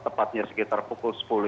antara anak sekolah dan anak anak sekolah